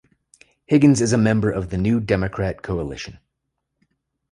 Higgins is a member of the New Democrat Coalition.